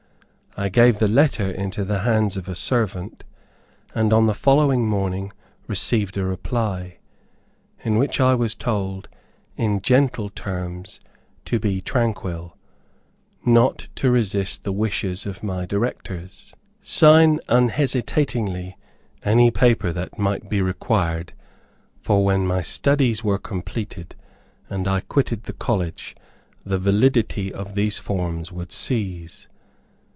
I gave the letter into the hands of a servant, and on the following morning received a reply, in which I was told, in gentle, terms, to be tranquil, not to resist the wishes of my directors, sign unhesitatingly any paper that might be required, for, when my studies were completed, and I quitted the college, the validity of these forms would cease.